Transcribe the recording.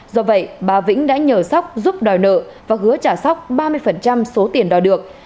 do vậy bà vĩnh đã nhờ sóc giúp đòi nợ và hứa trả sóc ba mươi số tiền đòi được